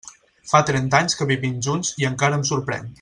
Fa trenta anys que vivim junts i encara em sorprèn.